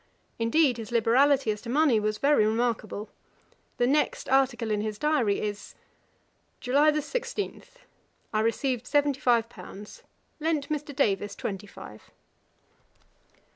Indeed his liberality as to money was very remarkable. The next article in his diary is, 'July 16. I received seventy five pounds. Lent Mr. Davis twenty five.'